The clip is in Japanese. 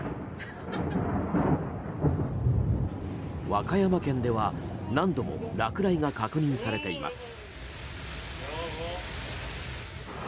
和歌山県では何度も落雷が確認されています。